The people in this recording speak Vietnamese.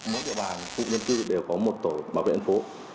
mỗi địa bàn khu dân cư đều có một tổ bảo vệ dân phố